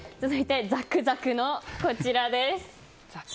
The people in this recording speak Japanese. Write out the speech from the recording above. ザクザク！のこちらです。